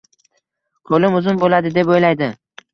Qo‘lim uzun bo‘ladi deb o‘ylaydi